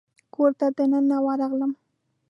کور ته دننه ورغلم.